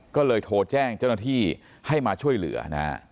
ก็เลยโทรแจ้งเจ้าหน้าที่ให้มาช่วยเหลือนะฮะ